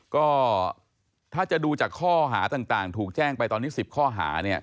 ก็ถ้าจะดูจากข้อหาต่างถูกแจ้งไปตอนนี้๑๐ข้อหาเนี่ย